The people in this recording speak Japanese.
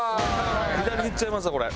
左にいっちゃいますわこれ。